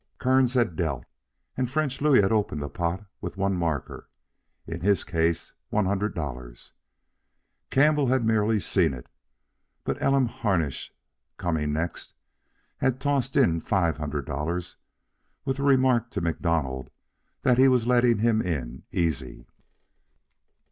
Kearns had dealt, and French Louis had opened the pot with one marker in his case one hundred dollars. Campbell had merely "seen" it, but Elam Harnish, corning next, had tossed in five hundred dollars, with the remark to MacDonald that he was letting him in easy.